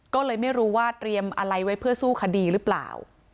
ก็เลยไม่รู้ว่าเตรียมอะไรไว้เพื่อสู้คดีหรือเปล่า